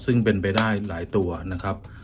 ซึ่งเป็นไปได้หลายตัวนะครับ